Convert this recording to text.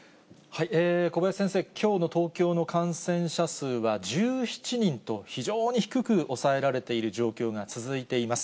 小林先生、きょうの東京の感染者数は１７人と、非常に低く抑えられている状況が続いています。